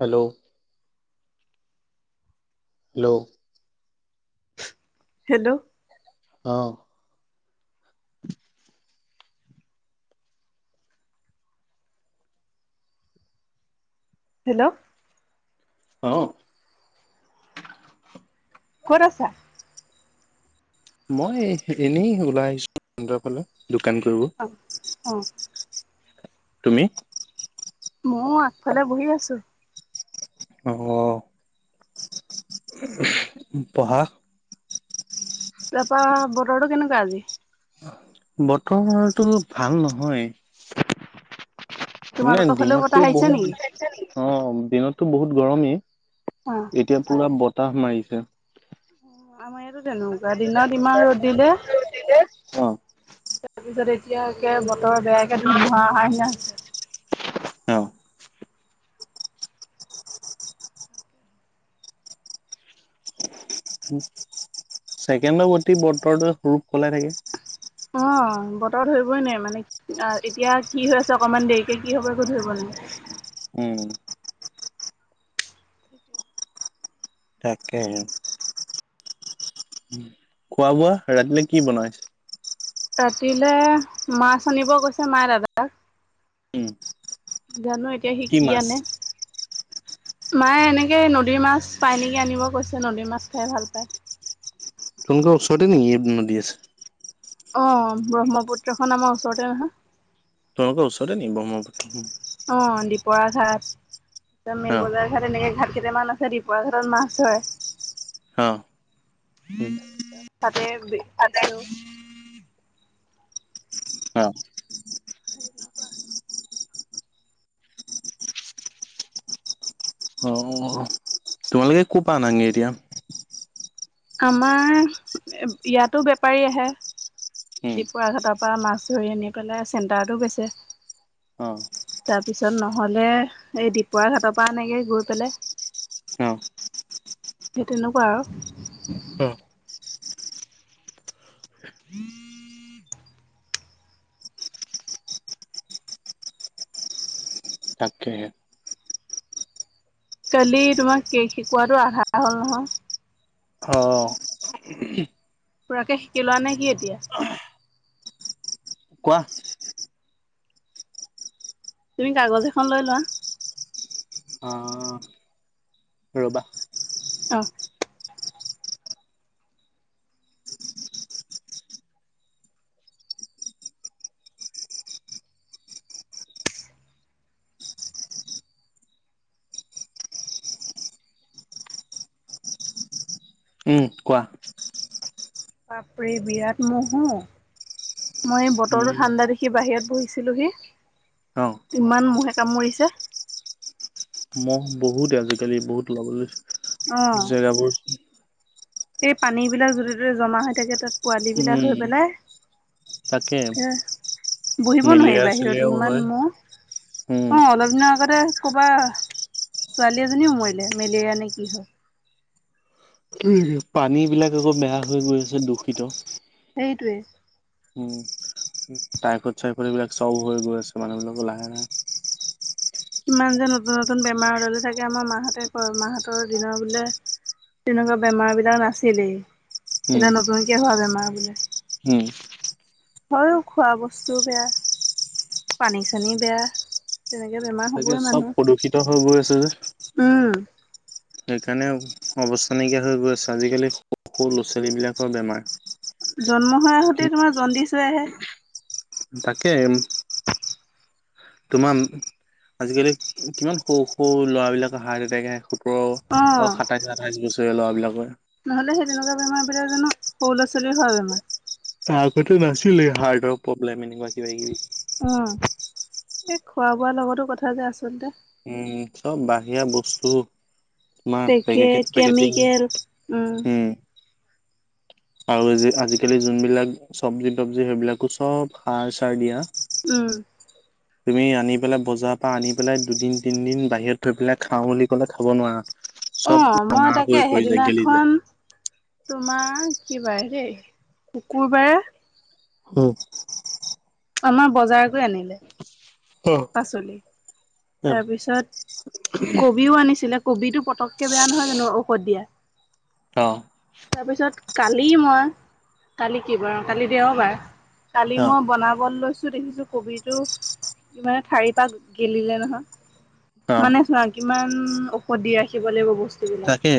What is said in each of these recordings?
Hello. Hello. Hello. অ'। [inaudible] Hello অ'। ক'ত আছা? মই এনেই ওলাই আহিছো সৰ ফালে দোকান কৰিব। অ', অ'। তুমি? ময় আগফালে বহি আছো আহ ব়া বাপা বৰডো কেনেকুৱা আজি ব্তৰমানটো ভাল নহয় এনে তোমালোকৰ ফালেও বতাহ দিনততো আহিছে নেকি বহুত অ দিনততো বহুত গৰমেই অ এতিয়া পুৰা বতাহ মাৰিছে আমাৰ এইটো তেনেকুৱা দিনত ইমান ৰ'দ দিলে অ তাৰপিছত এতিয়াকে বতৰ বেয়াকে ধুমুহা আহিনা হৈছে অ ছেকেণ্ডৰ গতি বতৰটোৱে ৰূপ সলাই থাকে অ বতৰ ধৰিবই নাই মানে অ এতিয়া কি হৈ আছে অকনমান দেৰিকে কি হব একো ধৰিব নে উম সতি তাকেই খোৱা বোৱা ৰাতিলে কি বনাই ৰাতিলে মাছ আনিব গৈছে মায়ে দাদাক উম জানো এতিয়া কি সিকি মাছ আনে মায়ে এনেকৈ নদীৰ মাছ পায় নেকি আনিব কৈছে নদীৰ মাছ খাই ভাল পায় তোকা ওচৰতে নেকি ন দি আছে অ ব্ৰহ্মপুত্ৰখন আমাৰ ওচৰতে নহয় তোমোকৰ ওচৰতে নি ব্ৰহ্মপুত্ৰ? অ', দিপৰা ঘাট তছত মিলগলাৰ ঘাট এনেকে ঘাট কেইটামান আছে দিপৰা ঘাটত মাছ ধৰে। অ'। তাতে ব্ৰদ বেচেও। অ অ [unintelligible] অ', অ'। তোমালোকে ক'পা আনাগে এতিয়া? আমাৰ ইয়াতো বেপাৰী আহে। উম ডিপুৰা ঘাটৰ পৰা মাছ ধৰি আনি পেলাই, চেণ্টাৰটো বেচে। অ তাৰ পিছত নহলে এই দিপৰা ঘাটৰ পৰা আনেগে গৈ পেলাই। সেই তেনেকুৱা আৰু। অ তাকেহে। কালি তোমাক কেক শিকাতটো আধা হ'ল নহয়। অ'। উম। পুৰাকে শিকি লোৱা নে কি এতিয়া? কোৱা। তুমি কাগজ এখন লৈ লোৱা? অ'। ৰ'বা। অ'। উম কোৱা বাপ্ৰে বিৰাট মহো। মই উম বতৰটো ঠাণ্ডা দেখি বাহিৰত বহিছিলোঁহি। অ ইমান মঁহে কামুৰিছে। মঁহ বহুতে আজিকালি বহুত জেগাবোৰ। এইেই পানী বিলাক যতে ততে জমা হৈ থাকে তাত পোৱালী বিলাক হৈ উম পেলাই তাকে। এ বহিব নোৱাৰি মেলেৰিয়া বাহিৰত চেলেৰিয়াও ইমান হয় ম'হ উম অ অলপ দিনৰ আগতে কবা ছোৱালী এজনীও মৰিলে মেলেৰিয়া নে কি হয়। পানী বিলাক আকৌ বেয়া হৈ গৈ আছে দূষিত। সেইটোৱে। উম। টাইফড চাইফড এইবিলাক চব হৈ গৈ আছে মানুহবিলাকো লাহে লাহে। ইমান যে নতুন নতুন বেমাৰ আজ থাকে আমাৰ মাহঁতে ক মাহঁতৰ দিনৰ বোলে তেনেকুৱা বেমাৰ বিলাক নাছিলেই উম ইলাক নতুনকে হোৱা বেমাৰ বোলে। উম। হয়ো খোৱা বস্তু বেয়া পানী চানী বেয়া। তেনেকে বেমাৰ তাকে হ'বই চব মানুহ। প্ৰদূষিত হৈ গৈ আছে যে। উম, সেইকাৰণে অৱস্থ নাইকিয়া হৈ গৈ আছে, আজিকালি স সৰু ল'ৰা ছোৱালীবলাকৰ বেমাৰ। জন্ম হৈ আহোতে তোমাৰ জণ্ডিছ হৈ আহে। তাকে তোমাৰ আজিকালি কিমান সৰু সৰু ল'ৰাবিলাকৰ হাৰ্ট এটেক আহে। অ', সাতাইছ আঠাইছ বছৰীয়া ল'ৰাবিলাকৰ। নহ'লে সেই তেনেকুৱা বেমাৰ বিলাক জানো সৰু ল'ৰা ছোৱালীৰ হোৱা বেমাৰ। আগতে নাছিলে হাৰ্টৰ প্ৰব্লেম এনেকুৱা কিবা কিবি। উম, এই খোৱা বোৱাৰ লগতো কথা যে আচলতে। উম, চব বাহিৰা বস্তু তোমাৰ পেকে পেকেট পেকেটিং কেমিকেল উম। আৰু যে আজিকালি যোনবিলাক চবজি তবজি সেইবিলাকো চব সাৰ চাৰ দিয়া। উম, তুমি আনি পেলাই বজাৰৰ পৰা আনি পেলাই দুদিন তিনদিন বাহিৰত থৈ পেলাই খাওঁ বুলি কলে খাব নোৱাৰা। অ, চব মই ৰঙা হৈ তাকে পৰি যায় গেলি যায়। সেইদিনাখন, তোমাৰ কি বাৰ দেই, শুকুৰবাৰে, হম, আমাৰ বজাৰ কৰি আনিলে, পাচলি তাৰপিছত কবিও আনিছিলে, কবিতো পটককে বেয়া নহয় জানো ঔষধ দিয়া, অ, তাৰ পিছত কালি মই, কালি কি বাৰ অ, কালি দেওবাৰ। কালি মই অ', বনাব লৈছো দেখিছো কবি টো মানে ঠাৰি পাত গেলিলে নহয় মানে, চোৱা কিমান ঔষধি দি ৰাখিব লাগিব বস্তুবিলাক তাকে,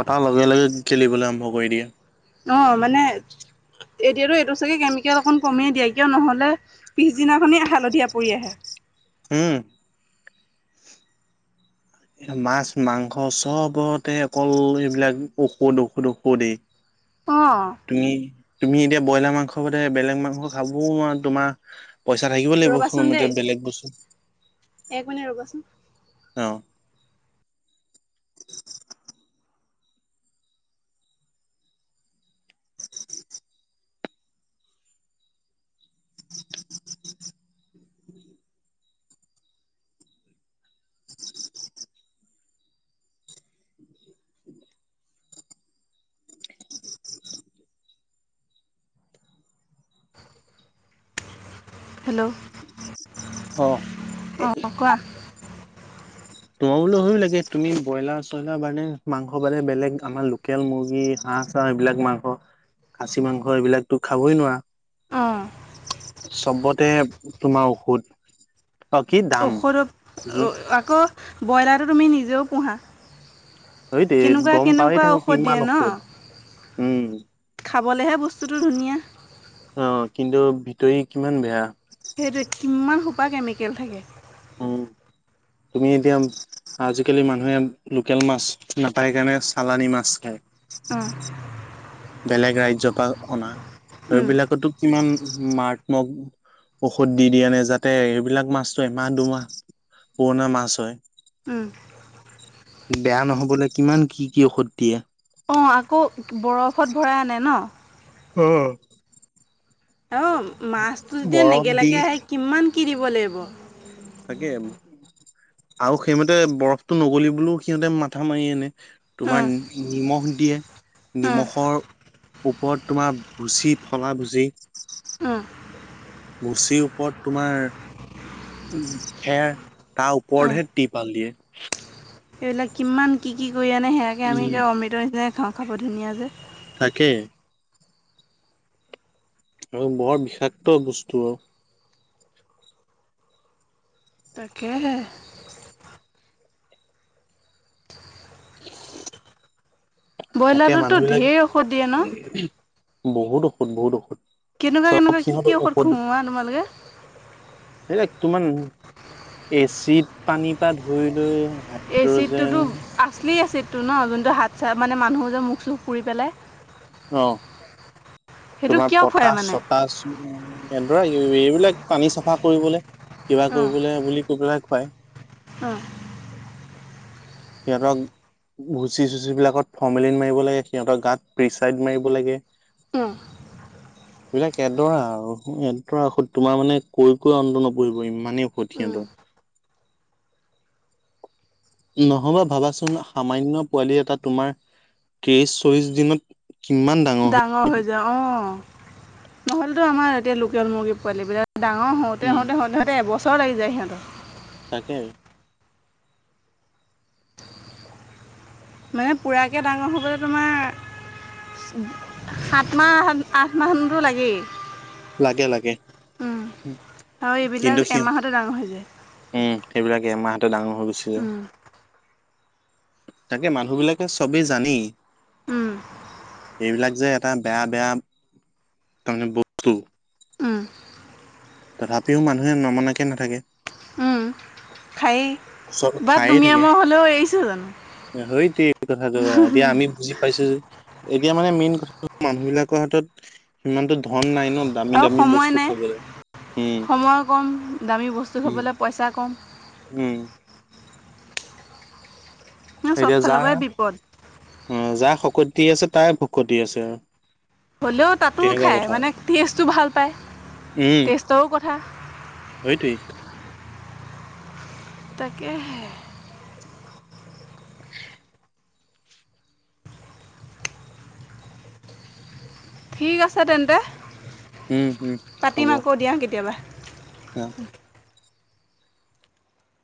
কতাৰ লগে লগে গেলিবলৈ আৰম্ভ কৰি দিয়ে। অ, মানে এতিয়াতো এইটো চাগে কেমিকেল অকণ কমিয়ে দিয়ে কিয় নহ'লে পিছদিনাখনেই হালধীয়া পৰি আহে। উম, মাছ মাংস চবতে অকল সেইবিলাক ঔষধ ঔষধ ঔষধেই। অ, তুমি তুমি এতিয়া ব্ৰইলাৰ মাংস ব বেলেগ মাংস খাবও নোৱাৰা, তোমাৰ পইচা থাকিব লাগিব ৰ'বাচোন দেই সময়তে বেলেগ বস্তু এক মিনিট ৰ'বাচোন। অ, [inaudible] হেল্ল', অ'। অ, কোৱা। [inaudible] লাগে তুমি ব্ৰইলাৰ চইলাৰ মানে মাংস বানে বেলেগ আমাৰ লোকেল মুৰ্গী হাঁহ, [inaudible] এইবিলাক মাংস খাচি মাংস এইবিলাকতো খাবই নোৱাৰা অ, চবতে তোমাৰ ঔষধ। অ কি দাম যোন [inaudible] আকৌ বইলাৰ তুমি নিজেও পোহা। [inaudible] কেনেকুৱা গম পায়েই কেনেকুৱা থাকো ঔষধ কিমান দিয়ে ঔষধ, উম, খাবলৈহে বস্তুটো ধুনীয়া, অ, কিন্তু ভিতৰি কিমান বেয়া। সেইটো কিমান সোপা কেমিকেল থাকে। উম [unintelligible] তুমি এতিয়া, আজিকালি মানুহে লোকেল মাছ নাপায় কাৰণে চালানী মাছ খায়, অ, বেলেগ ৰাজ্যৰ পৰা অনা উম সেইবিলাকতো কিমান মাৰাত্মক ঔষধ দি দি আনে যাতে সেইবিলাক মাছটো এমাহ দুমাহ পুৰণা মাছ হয়, উম, বেয়া নহবলে কিমান কি কি ঔষধ দিয়ে। অ, আকৌ বৰফত ভৰাই আনে ন? অ, অ, মাছটো যেতিয়া বৰফ দি নেগেলগে আহে কিমান কি দিব লাগিব। তাকে, আৰু সেইমতে বৰফটো নগল বও সিহঁতে মাথা মাৰি আনে। তোমাৰ উম নিমখ দিয়ে, উম নিমখৰ ওপৰত তোমাৰ ভুচি ফলা ভুজি, উম ভুচিৰ ওপৰত তোমাৰ, উ, খেৰ তাৰ উম ওপৰতহে টিপাল দিয়ে। এইবিলাক কিমান কি, কি কৰি আনে সেয়াকৈ আমি উম অমৃতৰ নিচিনে খাওঁ খাব ধুনীয়া যে। তাকে। আৰু বৰ বিষাক্ত বস্তু আৰু। তাকে হে। তাকে ব্ৰইলাৰটোতো মানুহ বিলাকে ঢেৰ ঔষধ দিয়ে ন বহুত ঔষধ, বহুত ঔষধ। কেনেকুৱা, চব কেনেকুৱা কি, সিহঁত কি ঔষধ খু তোমালোকে? সেই তোমমান এচিত পানীৰ পৰা ধৰি লৈ এই হাইড্ৰজেন চিটটোতো আচলি এ চিটটো ন যোনটো হাত চ মানে মানুহ যে মুখ, চুখ পুৰি পেলাই অ, সেইটো তোমাৰ কিয় খুৱাই পটাশ, মানে চটাশ উ, ধৰা এইবিলাক পানী চাফা কৰিবলৈ কিবা কৰিবলৈ বুলি কৈ পেলাই খুৱাই। অ'। কেৰক ভুচি চুচিবিলাকত ফৰ্মেলিন মাৰিব লাগে সিহঁতৰ গাত পিচাইড মাৰিব লাগে। [inaudible] এইবিলাক এডৰা আৰু এডৰা তোমাৰ মানে কৈ, কৈ অন্ত নপঢহিব ইমানেই উম। সিহঁতৰ নহবা ভাবাচোন সামান্য পোৱালি এটা তোমাৰ তেইশ, চল্লিশ দিনত কিমান দাম। ডাঙৰ হৈ যায় অ, নহ'লেতো আমাৰ এতিয়া লোকেল মুৰ্গী পোৱালিব বিলাক ডাঙৰ হওঁতে, উম হওঁতে, হওঁতে সহঁতে এবছৰ লাগি যায় সিহঁতৰ। তাকে। মানে পোৰাকৈ ডাঙৰ হ'বলৈ তোমাৰ সাত মাহ, আঠ মাহতো লাগেই। লাগে, লাগে। আৰু কিন্তু এইবিলাক সিহ এমাহতে ডাঙৰ হৈ যায়। উম, সেইবিলাকে এমাহতে ডাঙৰ হৈ গৈছে যে। উম, তাকে মানুহ বিলাকে চবেই জানেই উম। এইবিলাক যে এটা বেয়া, বেয়া তাৰমানে বস্তু উম। তথাপিও মানুহে নমনাকে নাথাকে। খায়েই চব বাাৰ তুমি মই হ'লেও এৰিছোঁ জানো। সেইটো কথাটো এতিয়া আমি বুজি পাইছো যে। এতিয়া মানে মেইন কথা মানুহ বিলাকৰ হাতত সিমানতো ধন নাই। দামী, আৰু দামী সময় বস্তু নাই। খাবলৈ উম, সময় কম, দামী বস্তু উম। খাবলৈ পইচা কম, উম। চব এতিয়া ফালৰ যাৰ, পৰাই বিপদ। যাৰ শকতি আছে তাই ভকতি আছে আৰু। হ'লেও তাতো তেনেকুৱা খায় কথা মানে টেষ্টটো ভাল পায় টেষ্টৰো কথা সটোৱেই। তাকেহে। [inaudible] ঠিক আছে তেন্তে উম উম পাতিম হ'ব আকৌ দিয়া কেতিয়াবা। অ'।